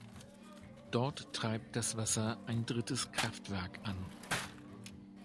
Dort treibt das Wasser ein drittes Kraftwerk an.